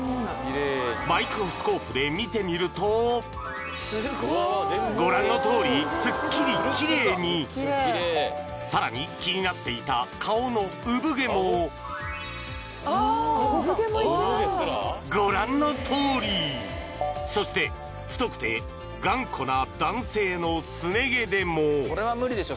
マイクロスコープで見てみるとご覧のとおりスッキリキレイにさらに気になっていた顔の産毛もご覧のとおりそして太くて頑固な男性のスネ毛でもこれは無理でしょ